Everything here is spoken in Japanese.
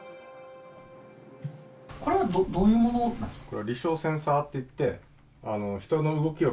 これはどういうものなんですか？